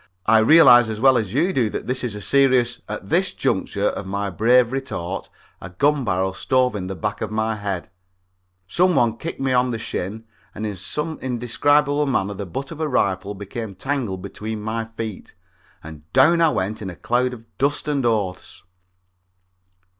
I realize as well as you do that this is a serious " At this juncture of my brave retort a gun barrel stove in the back of my head, some one kicked me on the shin and in some indescribable manner the butt of a rifle became entangled between my feet, and down I went in a cloud of dust and oaths.